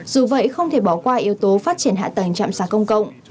dù vậy không thể bỏ qua yếu tố phát triển hạ tầng chạm sạc công cộng